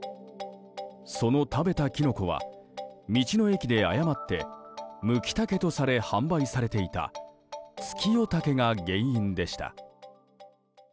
その食べたキノコは道の駅で誤ってムキタケとされ販売されていたツキヨタケが原因でした。